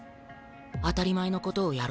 「当たり前のことをやろう」。